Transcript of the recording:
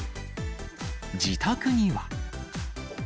自宅には。